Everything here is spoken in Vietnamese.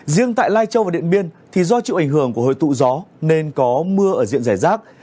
riêng tại lai châu và điện biên thì do chịu ảnh hưởng của hồi tụ gió nên có mưa ở diện giải rác